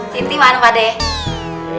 sinti mana pak de